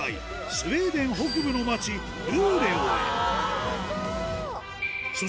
スウェーデン北部の街ルーレオへ寒そう！